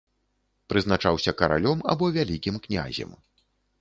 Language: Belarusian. Прызначаўся каралём або вялікім князем.